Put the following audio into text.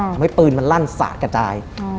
ทำให้ปืนมันลั่นสาดกระจาย